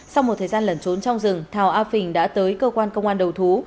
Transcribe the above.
sau một thời gian lẩn trốn trong rừng thảo a phình đã tới cơ quan công an đầu thú